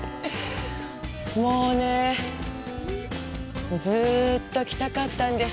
もうね、ずーっと来たかったんです。